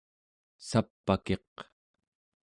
sap'akiq